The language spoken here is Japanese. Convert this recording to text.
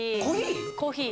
コーヒー！？